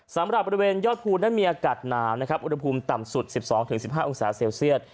สำหรับบริเวณยอดภูตนั้นมีอากาศหนานะครับอุณหภูมิต่ำสุดสิบสองถึงสิบห้าองศาเซลเซียส